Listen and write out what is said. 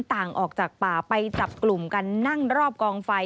ต่างออกจากป่าไปจับกลุ่มกันนั่งรอบกองไฟ